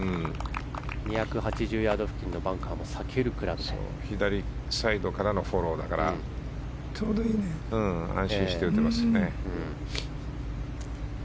２８０ヤード付近のバンカーを左サイドからのフォローで安心して打てますよね。